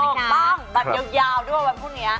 ถูกต้องแบบยาวด้วยวันพรุ่งนี้